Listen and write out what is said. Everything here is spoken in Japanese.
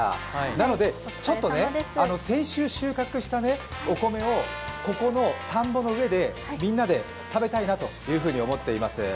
なので、先週収穫したお米をここの田んぼの上でみんなで食べたいなと思っています。